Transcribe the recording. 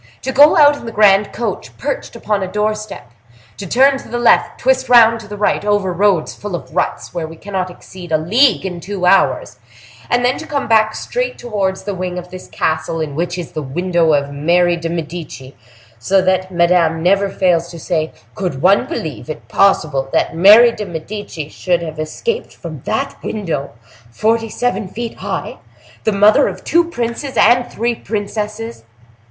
To go out in the grand coach, perched upon a doorstep; to turn to the left, twist round to the right, over roads full of ruts, where we cannot exceed a league in two hours; and then to come back straight towards the wing of the castle in which is the window of Mary de Medici, so that Madame never fails to say: 'Could one believe it possible that Mary de Medici should have escaped from that window—forty seven feet high? The mother of two princes and three princesses!